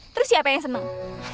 terus siapa yang seneng